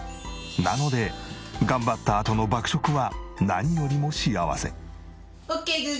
なので頑張ったあとの爆食は何よりも幸せ。